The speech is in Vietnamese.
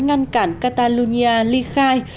ngăn cản catalonia ly khai